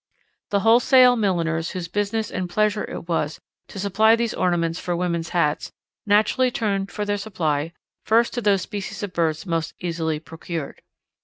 The wholesale milliners whose business and pleasure it was to supply these ornaments for women's hats naturally turned for their supply first to those species of birds most easily procured.